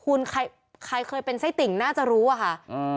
คุณใครเคยเป็นไส้ติ่งน่าจะรู้อะค่ะ